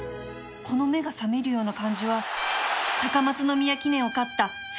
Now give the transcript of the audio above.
この目が覚めるような感じは高松宮記念を勝ったスズカフェニックス